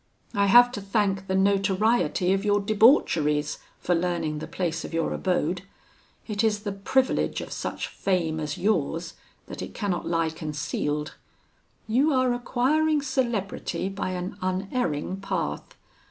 I have to thank the notoriety of your debaucheries for learning the place of your abode. It is the privilege of such fame as yours, that it cannot lie concealed. You are acquiring celebrity by an unerring path.